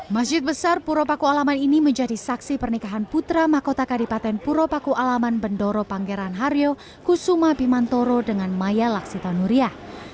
masjid besar puro paku alaman ini menjadi saksi pernikahan putra mahkota kadipaten puro paku alaman bendoro pangeran haryo kusuma bimantoro dengan maya laksitanuria